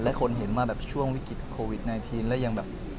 และคนเห็นว่าแบบช่วงวิกฤตโควิด๑๙แล้วยังแบบ